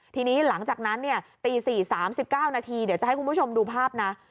ทีนี้หลังจากนั้นตี๔๓๐จะให้คุณผู้ชมดูภาพนะ